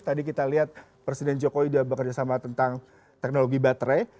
tadi kita lihat presiden jokowi sudah bekerjasama tentang teknologi baterai